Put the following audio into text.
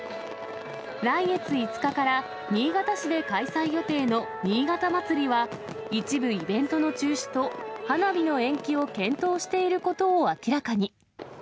来月５日から新潟市で開催予定の新潟まつりは、一部イベントの中止と、花火の延期を検討していることを明らかに。